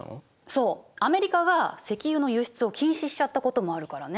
そうアメリカが石油の輸出を禁止しちゃったこともあるからね。